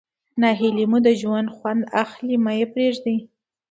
ناهلي مو د ژوند خوند اخلي مه ئې پرېږدئ.